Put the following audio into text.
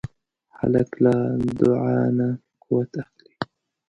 هلک له دعا نه قوت اخلي.